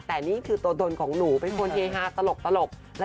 แต่นี่คือตัวตนของหนูเป็นคนเฮฮาตลก